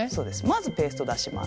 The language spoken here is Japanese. まずペースト出します。